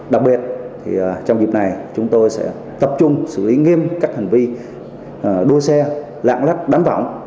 đặc biệt trong dịp này chúng tôi sẽ tập trung xử lý nghiêm các hành vi đua xe lạng lách đánh võng